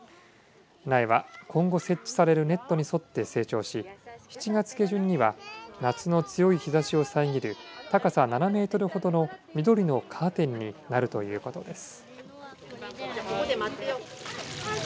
苗は今後設置されるネットに沿って成長し７月下旬には夏の強い日ざしを遮る高さ７ｍほどの緑のカーテンになるということです。